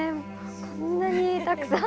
こんなにたくさん。